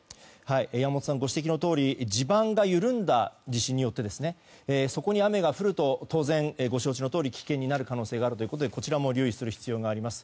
山本さんご指摘のとおり地盤が緩んだ地震によってそこに雨が降ると、当然ご承知のとおり危険になる可能性があるということでこちらも留意する必要があります。